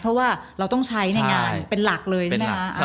เพราะว่าเราต้องใช้ในงานเป็นหลักเลยใช่ไหมคะ